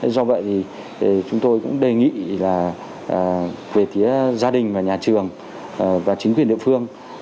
do vậy thì chúng tôi cũng đề nghị là về phía gia đình và nhà trường và chính quyền địa phương